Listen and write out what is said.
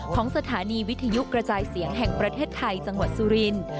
ของสถานีวิทยุกระจายเสียงแห่งประเทศไทยจังหวัดสุรินทร์